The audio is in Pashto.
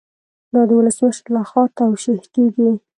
دا د ولسمشر لخوا توشیح کیږي.